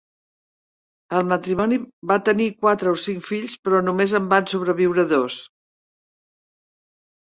EL matrimoni va tenir quatre o cinc fills, però només en van sobreviure dos.